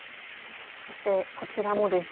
そしてこちらもです。